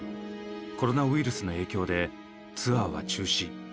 コロナウイルスの影響でツアーは中止。